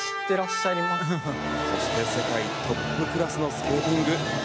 世界トップクラスのスケーティング！